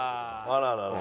あららら。